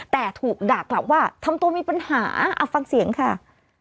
แต่ถูกด่ากลับว่าทำตัวมีปัญหาเอาฟังเสียงค่ะ